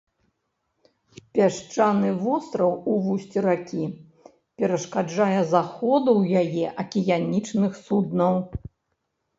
Пясчаны востраў у вусці ракі перашкаджае заходу ў яе акіянічных суднаў.